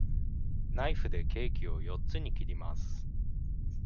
ナイフでケーキを四つに切ります。